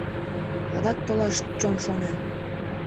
Адак толаш чон шона.